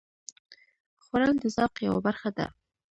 خوړل د ذوق یوه برخه ده